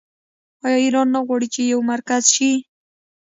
آیا ایران نه غواړي چې یو مرکز شي؟